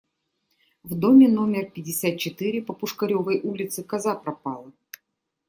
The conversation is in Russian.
В доме номер пятьдесят четыре по Пушкаревой улице коза пропала.